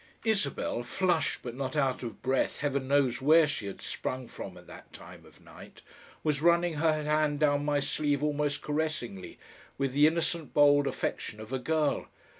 Isabel, flushed but not out of breath, Heaven knows where she had sprung from at that time of night! was running her hand down my sleeve almost caressingly, with the innocent bold affection of a girl.